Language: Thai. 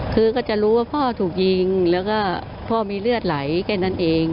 คือก็จะรู้ว่าพ่อถูกยิงแล้วก็พ่อมีเลือดไหลแค่นั้นเอง